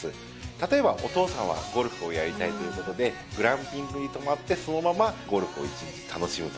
例えばお父さんはゴルフをやりたいということで、グランピングに泊まって、そのままゴルフを１日楽しむと。